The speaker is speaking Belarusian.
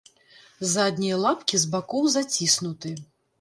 Заднія лапкі з бакоў заціснуты.